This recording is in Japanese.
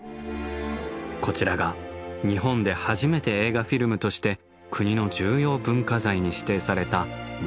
こちらが日本で初めて映画フィルムとして国の重要文化財に指定された「紅葉狩」。